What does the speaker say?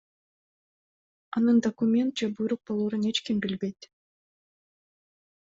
Анын документ же буйрук болорун эч ким билбейт.